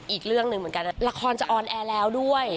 อีกเรื่องหนึ่งเหมือนกันละครจะออนแอร์แล้วด้วย